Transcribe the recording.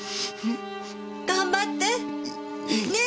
頑張って！ね！